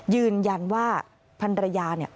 ยืนยันว่าพันระยา